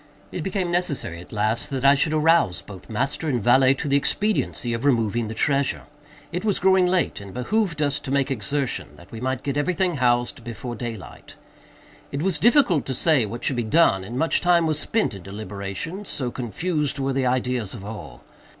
It became necessary, at last, that I should arouse both master and valet to the expediency of removing the treasure. It was growing late, and it behooved us to make exertion, that we might get every thing housed before daylight. It was difficult to say what should be done, and much time was spent in deliberation—so confused were the ideas of all.